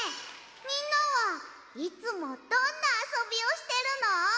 みんなはいつもどんなあそびをしてるの？